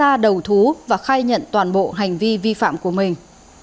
đạt đã ra đầu thú và khai nhận toàn bộ hành vi vi phạm của mình